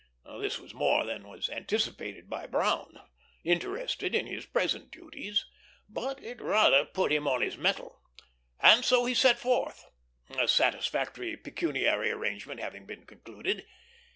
This was more than was anticipated by Brown, interested in his present duties, but it rather put him on his mettle; and so he set forth, a satisfactory pecuniary arrangement having been concluded.